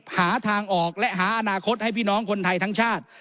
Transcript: หาทางออกและหาอนาคตให้พี่น้องคนไทยทั้งชาติ